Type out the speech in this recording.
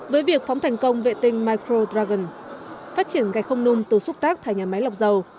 với việc phóng thành công vệ tinh microdragon phát triển gạch không nung từ xúc tác thải nhà máy lọc dầu